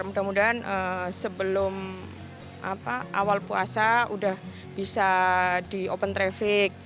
mudah mudahan sebelum awal puasa sudah bisa di open traffic